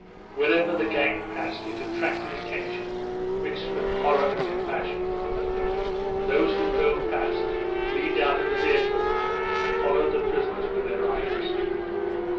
Wherever the gang passed it attracted attention mixed with horror and compassion. Those who drove past leaned out of the vehicles and followed the prisoners with their eyes.